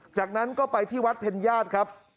จากนั้นก็ไปที่วัดเพ็ญญาติครับ